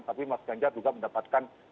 tapi mas ganjar juga mendapatkan